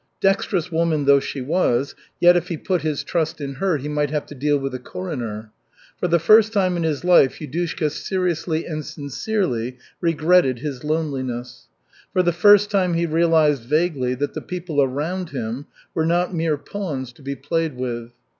Dexterous woman though she was, yet if he put his trust in her, he might have to deal with the coroner. For the first time in his life Yudushka seriously and sincerely regretted his loneliness; for the first time he realized vaguely that the people around him were not mere pawns to be played with.